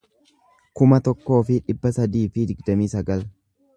kuma tokkoo fi dhibba sadii fi digdamii sagal